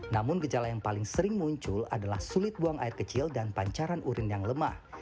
namun gejala yang paling sering muncul adalah sulit buang air kecil dan pancaran urin yang lemah